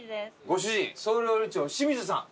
ご主人総料理長清水さん。